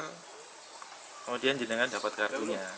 kemudian jenengan dapat kartunya